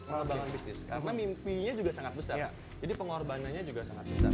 mengembangkan bisnis karena mimpinya juga sangat besar jadi pengorbanannya juga sangat besar